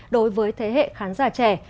đối với thế hệ khán giả trẻ